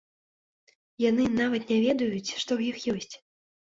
Яны нават не ведаюць, што ў іх ёсць!